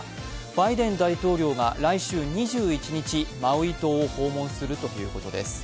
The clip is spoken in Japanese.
バイデン大統領が来週２１日、マウイ島を訪問するということです。